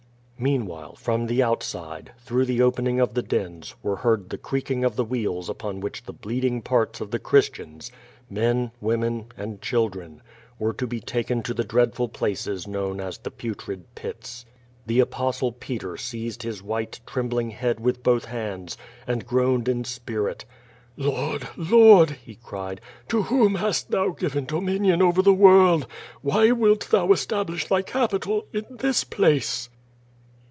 Meanwhile, from the outside, through the opening of the dens, were heard the creaking of the. wheels upon which the QUO TADIS. 421 bleeding parts of the Christians — men, women and children — were to he taken to the dreadful phices known as the Putrid Pits. The i^postle Peter seized his white, trembling head with both haWds, and groaned in spirit: "Lord! Lord!'' he cried, '*to whom hast Tliou given do minion oW the world? Why wilt Thou establish Thy capi tal in this place?"